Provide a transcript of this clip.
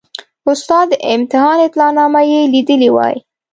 ستا د امتحان اطلاع نامه یې لیدلې وای.